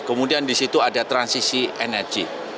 kemudian di situ ada transisi energi